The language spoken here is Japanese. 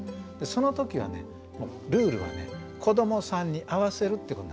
その時はねルールはね子どもさんに合わせるってことなんですよ。